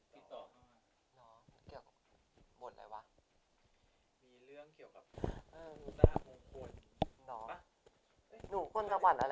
เกี่ยวกับบทอะไรวะ